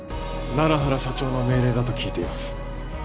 楢原社長の命令だと聞いています